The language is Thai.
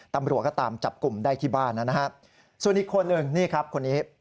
ตำรวจก็ตามจับกลุ่มได้ที่บ้านนะครับส่วนอีกคนหนึ่งนี่ครับคนนี้